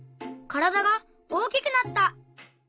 からだが大きくなった！